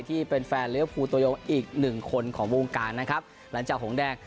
ที่เป็นแฟนเลี้ยวภูตัวยงอีกหนึ่งคนของวงการนะครับหลังจากหงแดง